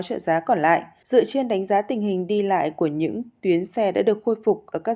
trợ giá còn lại dựa trên đánh giá tình hình đi lại của những tuyến xe đã được khôi phục ở các